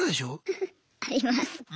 フフッあります。